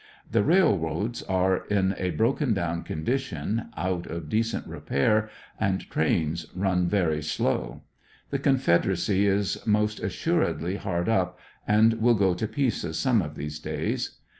The railroads are in a broken down condition, out of decent repair, ANDERSONVILLE DIAET. 131 and trains run very slow. The Confederacy is most assuredly hard up, and will go to pieces some of these days.